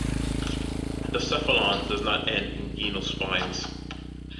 The cephalon does not end in genal spines.